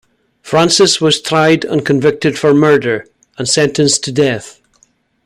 Francis was tried and convicted for murder, and sentenced to death.